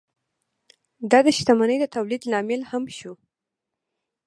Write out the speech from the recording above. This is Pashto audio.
دا د شتمنۍ د تولید لامل هم شو.